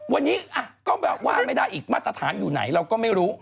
วันนี้ก็แบบว่าไม่ได้อีกมาตรฐานอยู่ไหนเราก็ไม่รู้